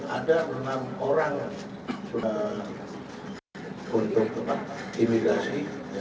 ada enam orang untuk tempat imigrasi